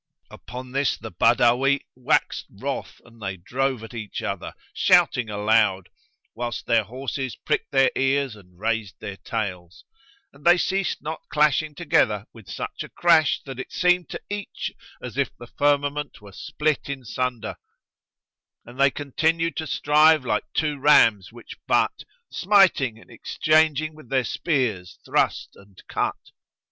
Upon this the Badawi waxed wroth and they drove at each other, shouting aloud, whilst their horses pricked their ears and raised their tails.[FN#103] And they ceased not clashing together with such a crash that it seemed to each as if the firmament were split in sunder, and they continued to strive like two rams which butt, smiting and exchanging with their spears thrust and cut.